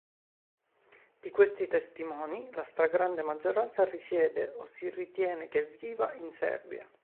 Di questi testimoni la stragrande maggioranza risiede o si ritiene che viva in Serbia.